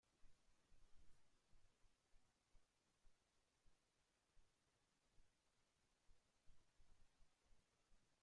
Aparece en la película "El diablo viste de Prada".